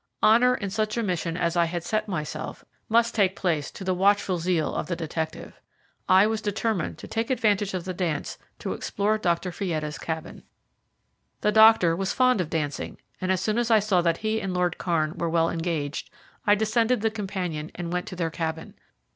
Honour in such a mission as I had set myself must give place to the watchful zeal of the detective. I was determined to take advantage of the dance to explore Dr. Fietta's cabin. The doctor was fond of dancing, and as soon as I saw that he and Lord Kairn were well engaged, I descended the companion, and went to their cabin.